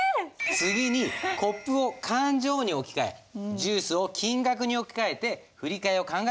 次にコップを勘定に置き換えジュースを金額に置き換えて振り替えを考えてみましょう。